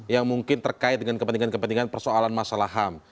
yang mungkin terkait dengan kepentingan kepentingan persoalan masalah ham